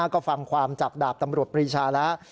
ก็ฟังความจากดาบตำรวจปรีชาแล้ว